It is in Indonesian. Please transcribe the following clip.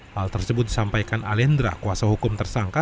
hal tersebut disampaikan alendra kuasa hukum tersangka